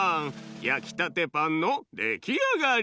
やきたてパンのできあがり！